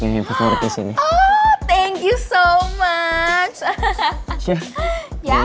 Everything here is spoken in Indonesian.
gue harus cari cara buat ambil kunci mobilnya mel